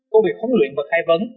cô việc huấn luyện và khai vấn